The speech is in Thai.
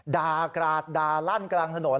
ด่ากราดด่าลั่นกลางถนน